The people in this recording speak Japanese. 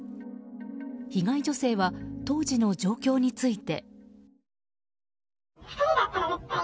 被害女性は当時の状況について。